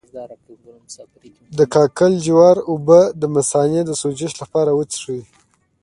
د کاکل جوار اوبه د مثانې د سوزش لپاره وڅښئ